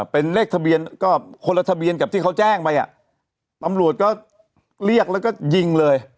เป็นเลขทะเบียนก็คนละทะเบียนกับที่เขาแจ้งไปอ่ะตำรวจก็เรียกแล้วก็ยิงเลย